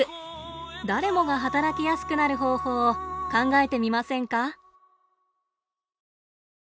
誰もが働きやすくなる方法を考えてみませんか？